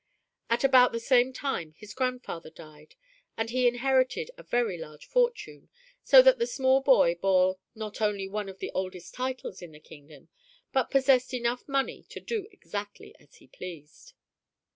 At about the same time his grandfather died, and he inherited a very large fortune, so that the small boy bore not only one of the oldest titles in the kingdom but possessed enough money to do exactly as he pleased.